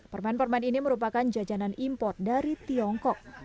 permen permen ini merupakan jajanan impor dari tiongkok